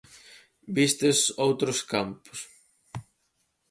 Vistes outros campos?